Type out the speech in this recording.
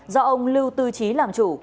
do ông lưu tư chí làm chủ